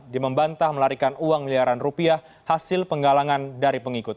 dia membantah melarikan uang miliaran rupiah hasil penggalangan dari pengikut